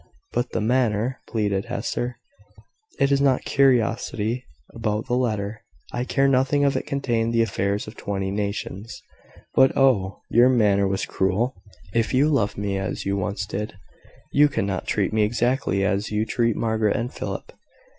"But the manner," pleaded Hester. "It is not curiosity about the letter. I care nothing if it contained the affairs of twenty nations. But, oh! your manner was cruel. If you loved me as you once did, you could not treat me exactly as you treat Margaret and Philip.